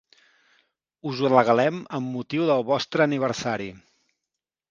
Us ho regalem amb motiu del vostre aniversari.